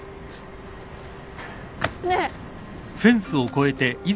ねえ